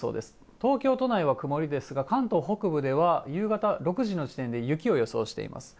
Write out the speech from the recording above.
東京都内は曇りですが、関東北部では夕方６時の時点で、雪を予想しています。